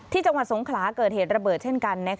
จังหวัดสงขลาเกิดเหตุระเบิดเช่นกัน